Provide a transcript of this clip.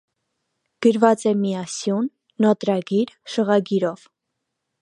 Գրված է միասյուն, նոտրգիր, շղագիրով։